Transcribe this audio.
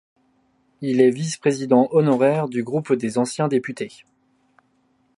Il est vice-président honoraire du groupe des anciens députés.